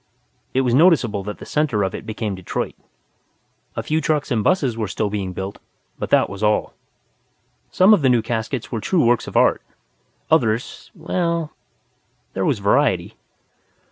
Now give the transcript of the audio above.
It was noticeable that the center of it became Detroit.) A few trucks and buses were still being built, but that was all. Some of the new caskets were true works of art. Others well, there was variety.